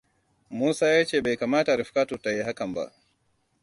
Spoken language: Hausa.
Musa ya ce bai kamata Rifkatu ta yi hakan ba.